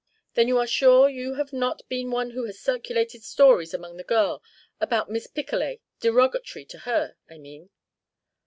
"Then you are sure you have not been one who has circulated stories among the girls about Miss Picolet derogatory to her, I mean?"